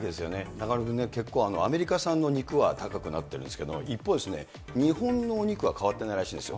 中丸君ね、結構アメリカ産の肉は高くなってるんですが、一方、日本のお肉は変わってないらしいんですよ。